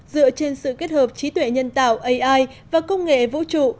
dựa trên sự kết hợp trí tuệ nhân tạo ai và công nghệ vũ trụ